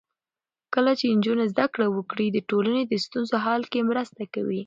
کله چې نجونې زده کړه وکړي، د ټولنې د ستونزو حل کې مرسته کوي.